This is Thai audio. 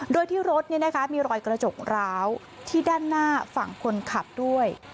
โดยที่รถมีรอยกระจกร้าวที่ด้านหน้าฝั่งคนขับด้วย